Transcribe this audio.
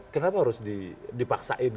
kenapa harus dipaksakan